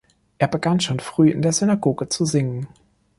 Er begann schon früh in der Synagoge zu singen.